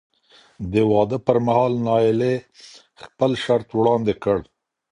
د واده پر مهال نایله خپل شرط وړاندې کړ.